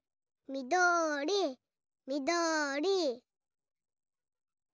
みどりみどり。